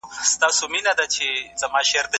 آیا ګوګل تر لغتنامې ژر ځواب ورکوي؟